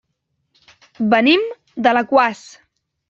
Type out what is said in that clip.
Venim d'Alaquàs.